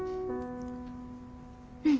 うん。